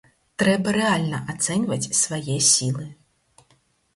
Трэба рэальна ацэньваць свае сілы.